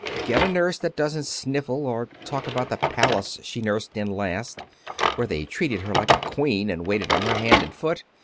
Get a nurse that doesn't sniffle, or talk about the palace she nursed in last, where they treated her like a queen and waited on her hand and foot.